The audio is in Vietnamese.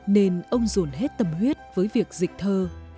nên ông dồn hết tâm huyết với việc dịch thơ